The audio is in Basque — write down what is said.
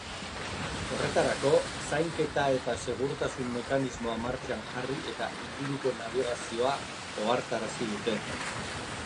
Horretarako, zainketa eta segurtasun mekanismoa martxan jarri eta inguruko nabigazioa ohartarazi dute.